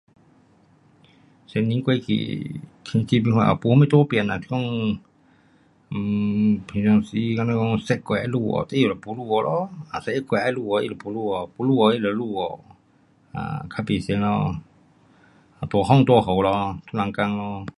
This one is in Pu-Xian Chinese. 十年过去，天气我看没什么有变啦，um 是讲平常时十月是落雨，这就没落雨咯。十一月要落雨它就没落雨，要落雨它就没落雨。啊，较不同咯。没风大雨咯。这样讲咯。